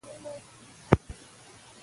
زړونه راټول کړئ.